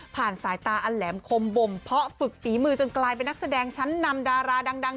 สายตาอันแหลมคมบ่มเพาะฝึกฝีมือจนกลายเป็นนักแสดงชั้นนำดาราดัง